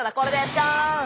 ジャーン。